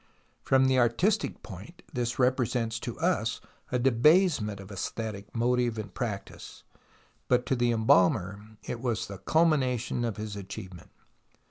From the artistic point this represents to us a debasement of aesthetic motive and practice ; but to the embalmer it was the culmination of his achievement.